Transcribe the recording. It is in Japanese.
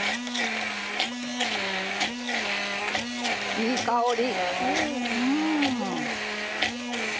いい香り！